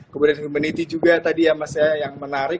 kemudian humanity juga tadi ya mas ya yang menarik